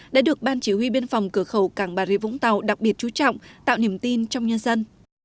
đã được ban chỉ huy biên phòng cửa khẩu càng bà rịa vũng tàu đặc biệt chú trọng tạo niềm tin trong nhân dân